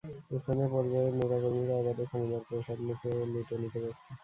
স্থানীয় পর্যায়ে নেতা কর্মীরা অবাধে ক্ষমতার প্রসাদ লুফে ও লুটে নিতে ব্যস্ত।